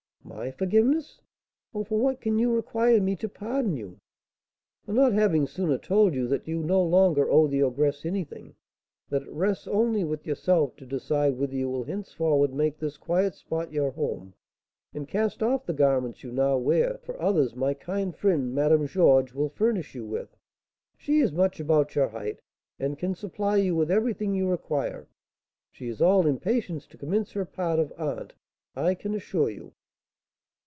"My forgiveness! Oh, for what can you require me to pardon you?" "For not having sooner told you that you no longer owe the ogress anything; that it rests only with yourself to decide whether you will henceforward make this quiet spot your home, and cast off the garments you now wear for others my kind friend, Madame Georges, will furnish you with. She is much about your height, and can supply you with everything you require. She is all impatience to commence her part of 'aunt,' I can assure you."